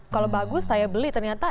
kalau bagus saya beli ternyata